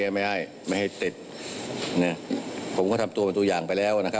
ผมก็ทำตัวมันตัวอย่างไปแล้วนะครับ